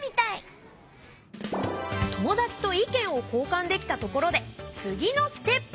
友達と意見を交かんできたところで次のステップ！